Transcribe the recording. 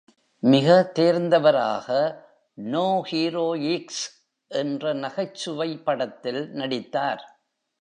மிக தேர்ந்தவராக “no heroics” என்ற நகைச்சுவை படத்தில் நடித்தார்.